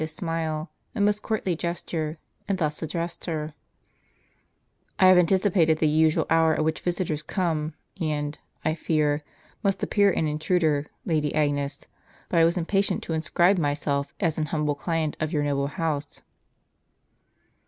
st smile and most courtly gesture, and thus addressed her :" I have anticipated the usual hour at which visitors come, and, I fear, must appear an intruder, Lady Agnes ; but I was impatient to inscribe myself as an humble client of your noble house."